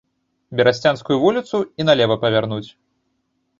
Берасцянскую вуліцу і налева павярнуць.